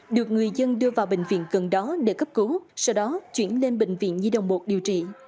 được người dân đưa vào bệnh viện gần đó để cấp cứu sau đó chuyển lên bệnh viện nhi đồng một điều trị